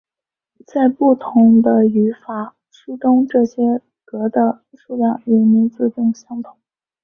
在不同的语法书中这些格的数量与名字并不相同。